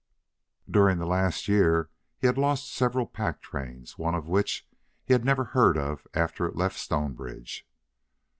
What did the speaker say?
During the last year he had lost several pack trains, one of which he had never heard of after it left Stonebridge.